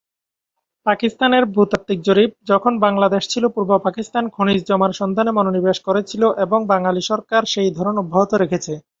পাকিস্তানের ভূতাত্ত্বিক জরিপ, যখন বাংলাদেশ ছিল পূর্ব পাকিস্তান খনিজ জমার সন্ধানে মনোনিবেশ করেছিল এবং বাঙালি সরকার সেই ধরন অব্যাহত রেখেছে।